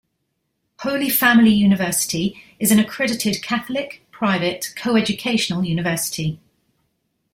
Holy Family University is an accredited Catholic, private, co-educational university.